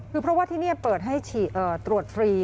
คือเพราะว่าที่นี่เปิดให้ฉีดตรวจฟรี